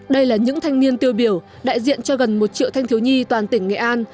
đây là những thanh niên tiêu biểu đại diện cho gần một triệu thanh thiếu nhi toàn tỉnh nghệ an